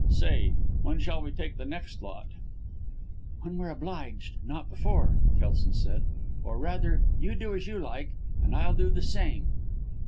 Say, when shall we take the next lot?" "When we're obliged, not before!" Kelson said. "Or rather, you do as you like and I'll do the same."